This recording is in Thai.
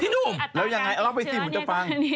หนุ่มแล้วยังไงเอาเล่าไปสิมันจะฟัง